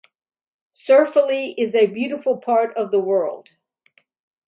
Caerphilly is a beautiful part of the world.